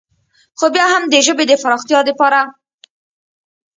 خو بيا هم د ژبې د فراختيا دپاره